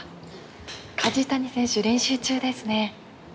梶谷選手、練習中ですね。